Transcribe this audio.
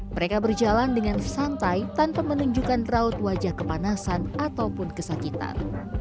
mereka berjalan dengan santai tanpa menunjukkan raut wajah kepanasan ataupun kesakitan